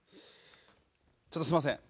ちょっとすいません。